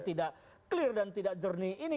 tidak clear dan tidak jernih ini